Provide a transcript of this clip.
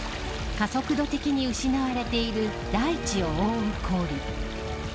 加速度的に失われている大地を覆う氷。